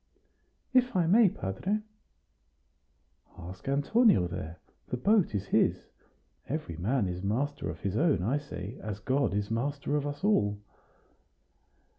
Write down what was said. "If I may, padre." "Ask Antonio there; the boat is his. Every man is master of his own, I say, as God is master of us all."